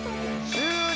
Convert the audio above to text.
終了！